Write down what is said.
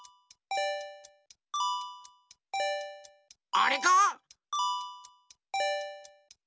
あれか？